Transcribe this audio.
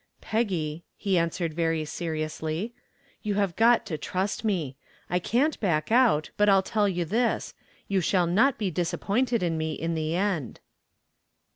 "Peggy," he answered very seriously, "you have got to trust me. I can't back out, but I'll tell you this. You shall not be disappointed in me in the end."